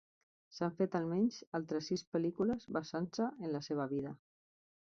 S'han fet almenys altres sis pel·lícules basant-se en la seva vida.